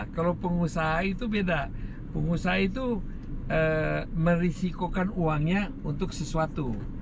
kalau pengusaha itu beda pengusaha itu merisikokan uangnya untuk sesuatu